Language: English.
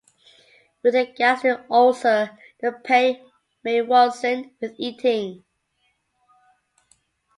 With a gastric ulcer the pain may worsen with eating.